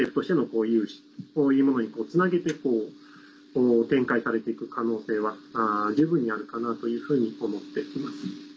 こういうものにつなげて展開されていく可能性は十分にあるかなというふうに思っています。